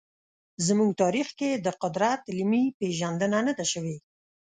زموږ تاریخ کې د قدرت علمي پېژندنه نه ده شوې.